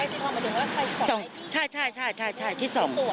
ไฟสีทองหมายถึงว่าไฟสีทองไทยที่สุด